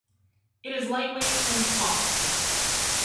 It is lightweight and small.